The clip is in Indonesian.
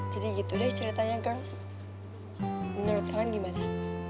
jadi gitu deh ceritanya girls menurut kalian gimana